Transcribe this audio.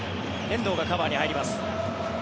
遠藤がカバーに入ります。